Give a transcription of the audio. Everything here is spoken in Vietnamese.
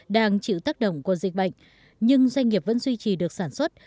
đang chịu tác động của dịch bệnh nhưng doanh nghiệp vẫn duy trì được sản xuất